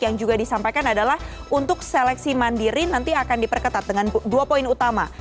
yang juga disampaikan adalah untuk seleksi mandiri nanti akan diperketat dengan dua poin utama